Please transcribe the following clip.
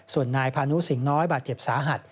ส่วนนายพานุสิงหน้อยบาดเจ็บสาหัส